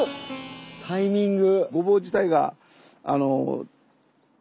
タイミング。